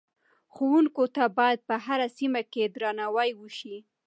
ښوونکو ته باید په هره سیمه کې درناوی وشي.